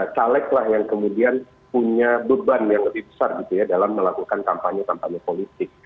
caleg lah yang kemudian punya beban yang lebih besar gitu ya dalam melakukan kampanye kampanye politik